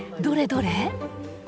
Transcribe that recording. どれどれ？